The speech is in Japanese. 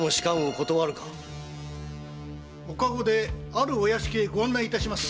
・お駕籠であるお屋敷へご案内致します。